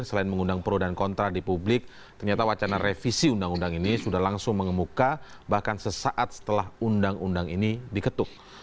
selain mengundang pro dan kontra di publik ternyata wacana revisi undang undang ini sudah langsung mengemuka bahkan sesaat setelah undang undang ini diketuk